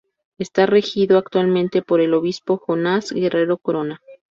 Está regido actualmente por el obispo Jonás Guerrero Corona.